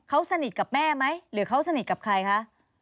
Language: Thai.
เขาสนิทกับแม่ไหมหรือเขาสนิทกับใครคะ